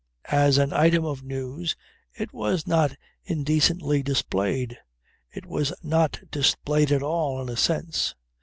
As an item of news it was not indecently displayed. It was not displayed at all in a sense.